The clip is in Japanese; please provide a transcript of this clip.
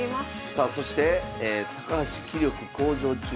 さあそして「高橋棋力向上中？